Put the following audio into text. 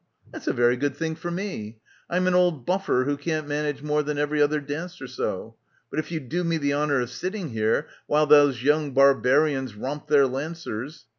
That's a very good thing for me. I'm an old buffer who can't manage more than every other dance or so. But if you do me the honour of sitting here while those young barbarians romp their Lancers?